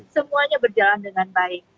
semuanya berjalan dengan baik